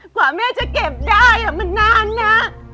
กว่าแม่จะเก็บได้มันนานนะ